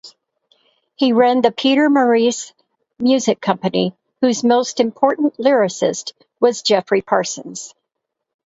He ran the Peter Maurice Music Company, whose most important lyricist was Geoffrey Parsons.